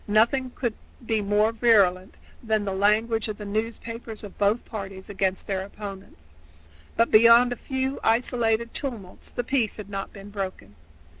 Nothing could be more virulent than the language of the newspapers of both parties against their opponents, but beyond a few isolated tumults the peace had not been broken.